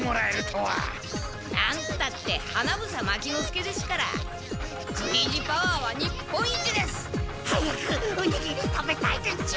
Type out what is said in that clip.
なんたって花房牧之介ですから食い意地パワーは日本一です！早くおにぎり食べたいでチュ！